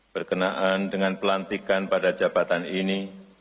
berkenaan dengan pelantikan pada jabatan ini